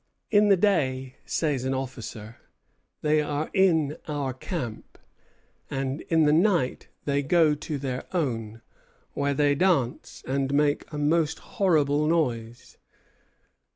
"In the day," says an officer, "they are in our camp, and in the night they go into their own, where they dance and make a most horrible noise."